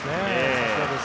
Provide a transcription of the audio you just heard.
さすがです。